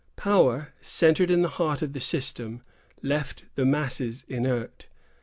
Power, centered in the heart of the system, left the masses inert.